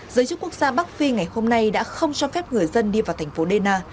giới chức quốc gia bắc phi ngày hôm nay đã không cho phép người dân đi vào thành phố dena